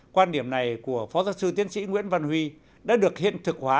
quan điểm này của phó giáo sư tiến sĩ nguyễn văn huy đã được hiện thực hóa